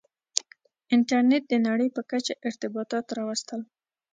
• انټرنېټ د نړۍ په کچه ارتباطات راوستل.